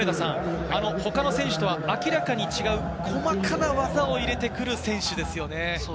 他の選手とは明らかに違う細かな技を入れてくる選手ですよね。